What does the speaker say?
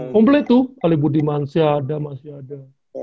komplet tuh alibu dimansyah ada masih ada